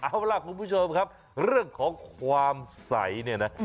เอาล่ะคุณผู้ชมครับเรื่องของความใสเนี่ยนะ